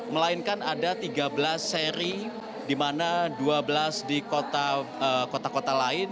melainkan ada tiga belas seri di mana dua belas di kota kota lain